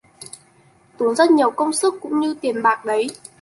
Tốn rất nhiều công sức cũng như là tiền bạc đấy